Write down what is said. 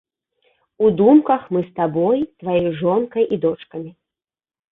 У думках мы з табой, тваёй жонкай і дочкамі.